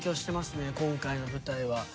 今回の舞台は。